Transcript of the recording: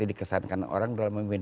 dia ingin mengesankan orang dalam memimpin